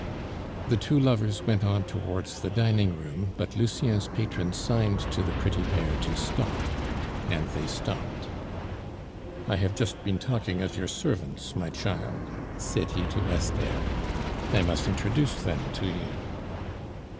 The two lovers went on towards the dining room, but Lucien's patron signed to the pretty pair to stop. And they stopped. "I have just been talking of your servants, my child," said he to Esther. "I must introduce them to you."